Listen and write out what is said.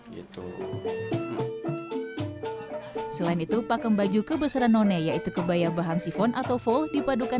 gitu selain itu pakem baju kebesaran none yaitu kebaya bahan sifon atau fol dipadukan